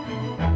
aku mau jalan